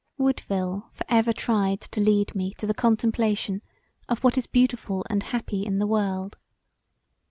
Woodville for ever tried to lead me to the contemplation of what is beautiful and happy in the world.